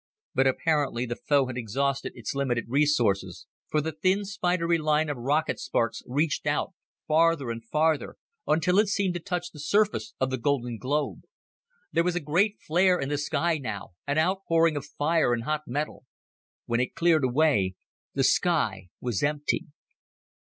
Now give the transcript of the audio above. But apparently the foe had exhausted its limited resources, for the thin spidery line of rocket sparks reached out, farther and farther, until it seemed to touch the surface of the golden globe. There was a great flare in the sky now, an outpouring of fire and hot metal. When it cleared away, the sky was empty.